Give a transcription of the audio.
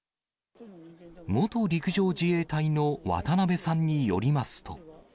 元陸上自衛隊の渡部さんによりますと。